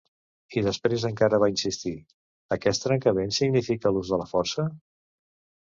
I després encara va insistir: ‘Aquest trencament significa l’ús de la força?’